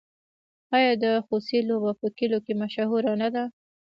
آیا د خوسي لوبه په کلیو کې مشهوره نه ده؟